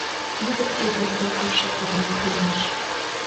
Тудо Одинцовым шекланен улмаш.